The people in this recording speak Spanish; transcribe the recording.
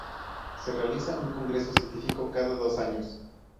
Se realiza un congreso científico cada dos años.